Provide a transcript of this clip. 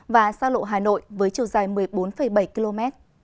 và xa lộ hà nội với chiều dài một mươi bốn bảy km